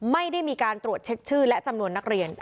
ไม่ได้มีการตรวจเช็คชื่อและจำนวนนักเรียน